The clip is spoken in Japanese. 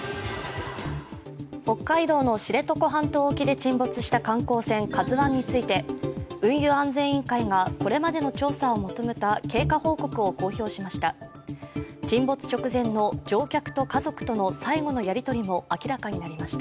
北海道の知床半島沖で沈没した観光船「ＫＡＺＵⅠ」について運輸安全委員会がこれまでの調査をまとめた経過報告を公表しました。